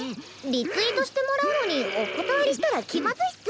リツイートしてもらうのにお断りしたら気まずいっス。